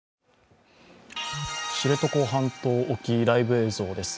知床半島沖、ライブ映像です。